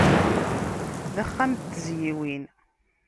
D axxam n tezyiwin.